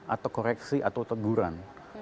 atau koreksi atau teguran